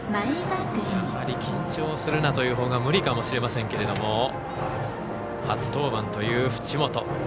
やはり緊張するなというほうが無理かもしれませんけども初登板という淵本。